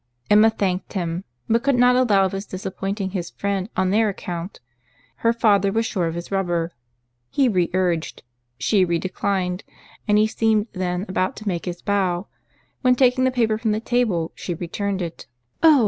Emma thanked him, but could not allow of his disappointing his friend on their account; her father was sure of his rubber. He re urged—she re declined; and he seemed then about to make his bow, when taking the paper from the table, she returned it— "Oh!